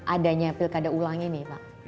adanya pilkada ulang ini pak